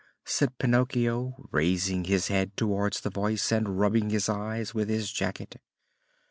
said Pinocchio, raising his head towards the voice and rubbing his eyes with his jacket.